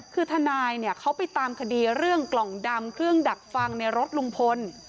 คือทนายเนี่ยเขาไปตามคดีเรื่องกล่องดำเครื่องดักฟังในรถลุงพล